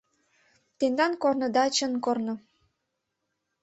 Тендан корныда — чын корно.